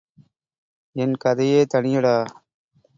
என் கதையே தனியடா!...